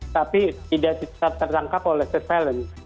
tapi tidak tetap tertangkap oleh surveillance